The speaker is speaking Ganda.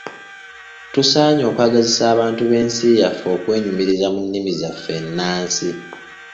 Tusaanye okwagazisa abantu b'ensi yaffe okwenyumiriza mu nnimi zaffe ennansi.